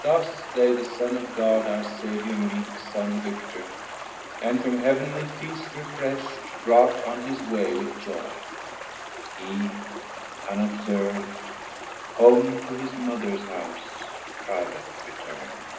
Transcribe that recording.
Thus they the Son of God our Saviour meek Sung Victor, and from Heavenly Feast refresht Brought on his way with joy; hee unobserv'd Home to his Mothers house private return'd.